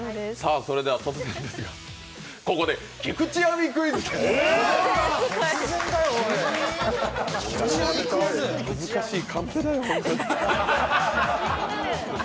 突然ですが、ここで菊地亜美クイズです。